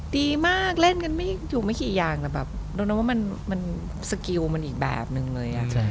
ดีมากเล่นกันไม่ถูกไม่กี่อย่างแต่แบบโดนนั้นว่ามันสกิลมันอีกแบบนึงเลย